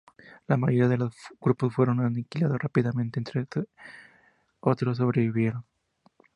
La mayoría de los grupos fueron aniquilados rápidamente, otros sobrevivieron.